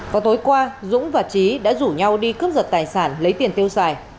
vào tối qua dũng và trí đã rủ nhau đi cướp giật tài sản lấy tiền tiêu xài